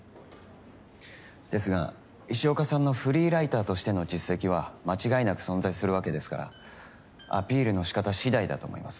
ですが石岡さんのフリーライターとしての実績は間違いなく存在するわけですからアピールのしかたしだいだと思います。